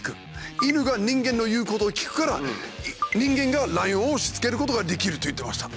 犬が人間の言うことを聞くから人間がライオンをしつけることができる」と言ってました。